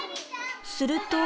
すると。